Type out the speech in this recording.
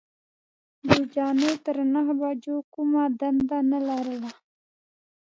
ګل جانې تر نهو بجو کومه دنده نه لرله.